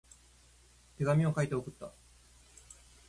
手紙を書いて送った。